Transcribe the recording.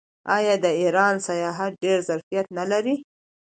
آیا د ایران سیاحت ډیر ظرفیت نلري؟